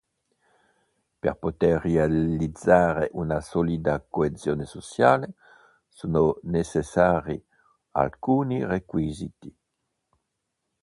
Per poter realizzare una solida coesione sociale, sono necessari alcuni requisiti.